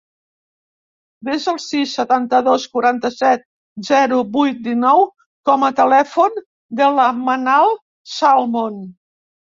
Desa el sis, setanta-dos, quaranta-set, zero, vuit, dinou com a telèfon de la Manal Salmon.